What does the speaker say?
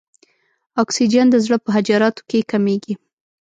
اکسیجن د زړه په حجراتو کې کمیږي.